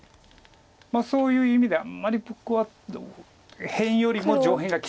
そういう意味であんまり僕は辺よりも上辺が。